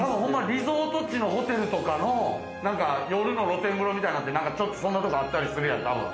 リゾート地のホテルとかの夜の露天風呂みたいになってそんなとこあったりするやんか。